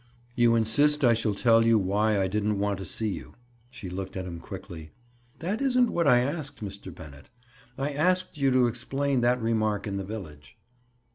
"You insist I shall tell you why I didn't want to see you?" She looked at him quickly. "That isn't what I asked, Mr. Bennett. I asked you to explain that remark in the village."